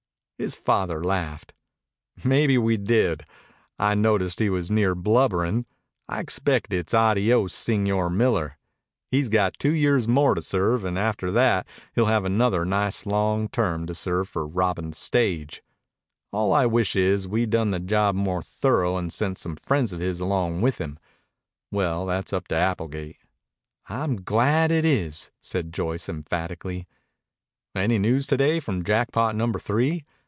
His father laughed. "Maybe we did. I noticed he was near blubberin'. I expect it's 'Adios, Señor Miller.' He's got two years more to serve, and after that he'll have another nice long term to serve for robbin' the stage. All I wish is we'd done the job more thorough and sent some friends of his along with him. Well, that's up to Applegate." "I'm glad it is," said Joyce emphatically. "Any news to day from Jackpot Number Three?"